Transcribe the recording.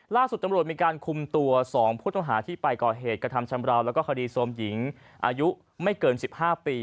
ล่าสุดตำรวจมีการคุมตัว๒ผู้ต้องหาที่ไปก่อเหตุกระทำชำราวแล้วก็คดีโทรมหญิงอายุไม่เกิน๑๕ปี